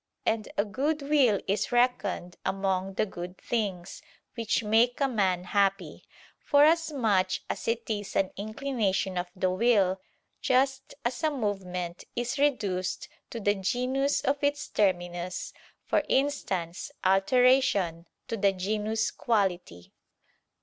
And a good will is reckoned among the good things which make a man happy, forasmuch as it is an inclination of the will: just as a movement is reduced to the genus of its terminus, for instance, "alteration" to the genus "quality."